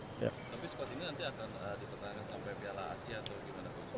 tapi sepertinya nanti akan dipertahankan sampai piala asia atau gimana